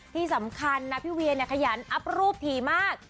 ที่สำคัญนะพี่เวียขยันอัพลูกถี่มาก